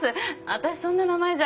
私そんな名前じゃ。